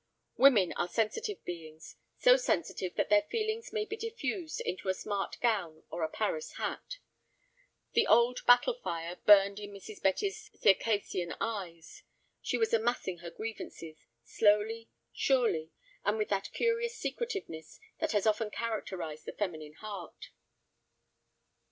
Women are sensitive beings, so sensitive that their feelings may be diffused into a smart gown or a Paris hat. The old battle fire burned in Mrs. Betty's Circassian eyes. She was amassing her grievances, slowly, surely, and with that curious secretiveness that has often characterized the feminine heart.